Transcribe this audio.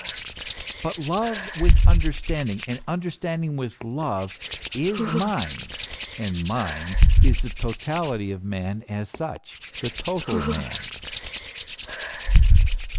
But Love with understanding and understanding with love, is mind, and mind is the totality of man as such the total man.